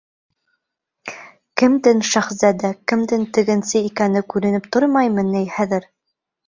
Кемдең шаһзадә, кемдең тегенсе икәне күренеп тормаймы ни хәҙер?